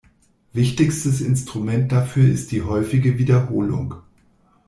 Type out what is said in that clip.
Wichtigstes Instrument dafür ist die häufige Wiederholung.